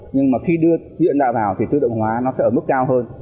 nhưng mà khi đưa trí tuệ nhân tạo vào thì tự động hóa nó sẽ ở mức cao hơn